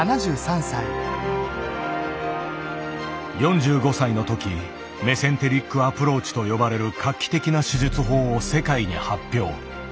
４５歳の時「メセンテリック・アプローチ」と呼ばれる画期的な手術法を世界に発表。